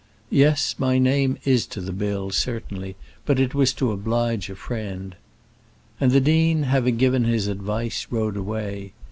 "Yes, my name is to the bills, certainly, but it was to oblige a friend." And then the dean, having given his advice, rode away.